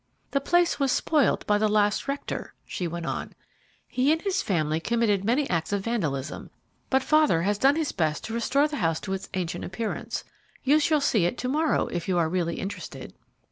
"The place was spoiled by the last rector," she went on. "He and his family committed many acts of vandalism, but father has done his best to restore the house to its ancient appearance. You shall see it to morrow, if you are really interested."